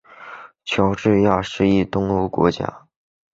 乔治亚是一东欧国家。